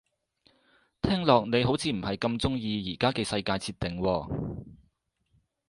聽落你好似唔係咁鍾意而家嘅世界設定喎